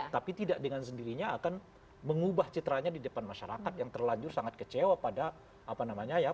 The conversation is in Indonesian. tapi tidak dengan sendirinya akan mengubah citranya di depan masyarakat yang terlanjur sangat kecewa pada apa namanya ya